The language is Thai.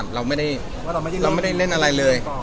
เราไม่ได้เล่นอะไรเลย